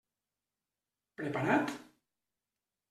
Preparat?